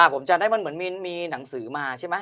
ผมจำได้มันเหมือนมีหนังสือมาใช่ไหม